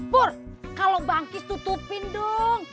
pur kalau bangkis tutupin dong